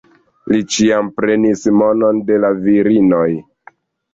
Li ĉiam prenis monon de la virinoj.